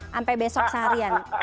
sampai besok seharian